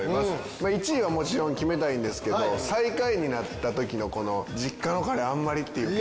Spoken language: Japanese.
まあ１位はもちろん決めたいんですけど最下位になった時のこの「実家のカレーあんまり」っていうか。